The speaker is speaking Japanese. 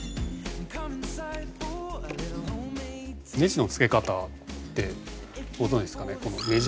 ネジの付け方ってご存じですかね？